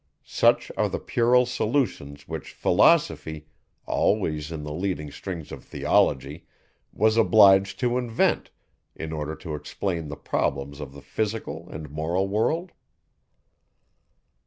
Such are the puerile solutions, which philosophy, always in the leading strings of theology, was obliged to invent, in order to explain the problems of the physical and moral world?